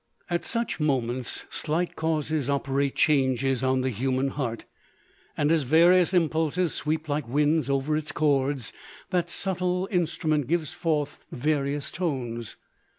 At such moments slight causes operate changes on the human heart ; and as various impulses sweep like winds over its chords, that subtle instrument gives forth va 204 LODORE. rious tones.